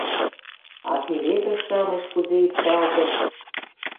А пеледыш-шамыч кузе ӱпшалтыт...